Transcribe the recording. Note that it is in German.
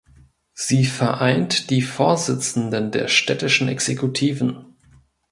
Sie vereint die Vorsitzenden der städtischen Exekutiven.